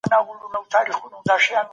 د هر سي پيدا کوونکی الله دی.